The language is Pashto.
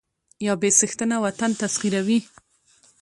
يا بې څښنته وطن تسخيروي